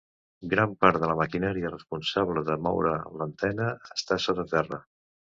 Gran part de la maquinària responsable de moure l'antena està sota terra.